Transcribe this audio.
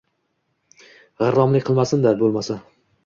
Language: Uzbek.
G‘irromlik qilmasin-da, bo‘lmasa!